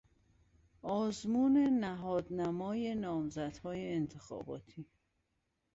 آزمون نهاد نمای نامزدهای انتخاباتی